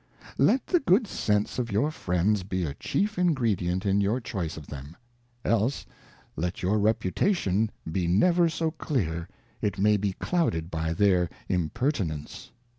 Let the good Sence of jour Friends be a chief Ingredient in your CAoice of Jtb.em ; else let your Reputation be never so clear, it may be clouded by their Impertinence.